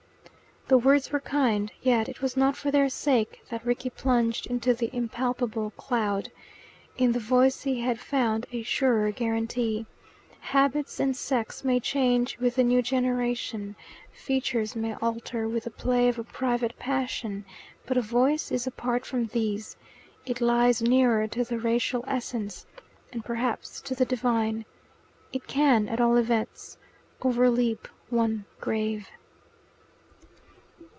The words were kind; yet it was not for their sake that Rickie plunged into the impalpable cloud. In the voice he had found a surer guarantee. Habits and sex may change with the new generation, features may alter with the play of a private passion, but a voice is apart from these. It lies nearer to the racial essence and perhaps to the divine; it can, at all events, overleap one grave.